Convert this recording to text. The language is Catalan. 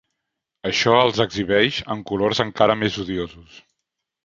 Això els exhibeix en colors encara més odiosos.